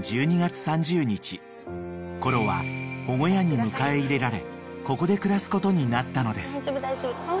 ［コロは保護家に迎え入れられここで暮らすことになったのです］